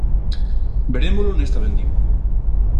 Verémolo nesta vendima.